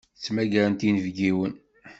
Ttmagarent inebgiwen.